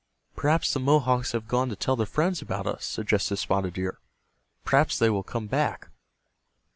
"Perhaps the Mohawks have gone to tell their friends about us," suggested Spotted Deer. "Perhaps they will come back."